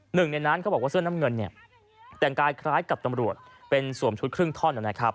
หนึ่งในนั้นเขาบอกว่าเสื้อน้ำเงินเนี่ยแต่งกายคล้ายกับตำรวจเป็นสวมชุดครึ่งท่อนนะครับ